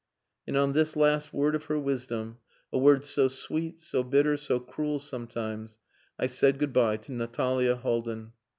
And on this last word of her wisdom, a word so sweet, so bitter, so cruel sometimes, I said good bye to Natalia Haldin.